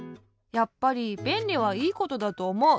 やっぱりべんりはいいことだとおもう。